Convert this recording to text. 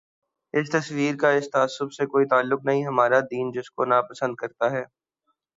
اس تصور کا اس تعصب سے کوئی تعلق نہیں، ہمارا دین جس کو ناپسند کر تا ہے۔